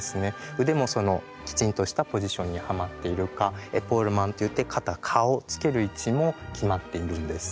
腕もそのきちんとしたポジションにはまっているか「エポールマン」っていって肩顔つける位置も決まっているんです。